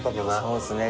そうですね